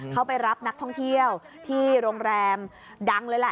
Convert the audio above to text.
เขาไปรับนักท่องเที่ยวที่โรงแรมดังเลยแหละ